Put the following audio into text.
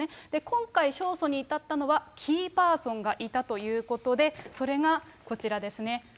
今回、勝訴に至ったのは、キーパーソンがいたということで、それがこちらですね。